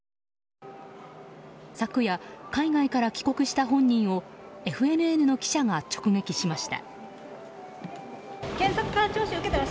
昨夜、海外から帰国した本人をＦＮＮの記者が直撃しました。